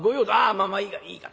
「まあまあいいからいいから。